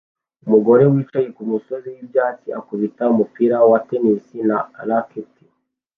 Umugore wicaye kumusozi wibyatsi akubita umupira wa tennis na racket